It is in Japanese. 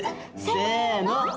せの。